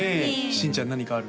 新ちゃん何かある？